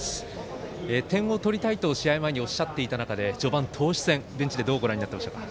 点を取りたいと試合前おっしゃっていた中で序盤、投手戦、ベンチでどのようにご覧になっていましたか。